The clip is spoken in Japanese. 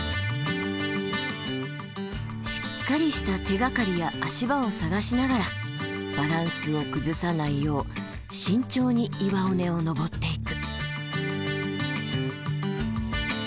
しっかりした手がかりや足場を探しながらバランスを崩さないよう慎重に岩尾根を登っていく。